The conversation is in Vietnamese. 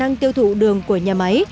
các vấn đề chỉ tiêu thụ đường của nhà máy